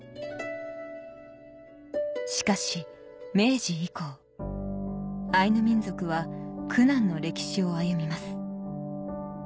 しかし明治以降アイヌ民族は苦難の歴史を歩みます